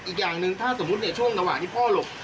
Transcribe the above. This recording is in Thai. อีกอย่างหนึ่งถ้าสมมุติในช่วงระหว่างที่พ่อหลบ